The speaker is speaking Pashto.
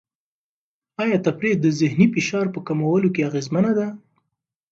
آیا تفریح د ذهني فشار په کمولو کې اغېزمنه ده؟